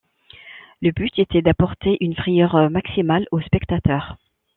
Le but était d'apporter une frayeur maximale aux spectateurs.